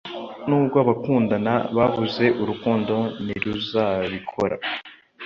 nubwo abakundana babuze urukundo ntiruzabikora